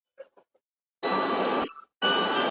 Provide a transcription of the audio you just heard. ایا مسلکي بڼوال پسته صادروي؟